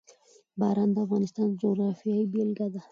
باران د افغانستان د جغرافیې بېلګه ده.